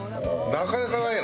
なかなかないな。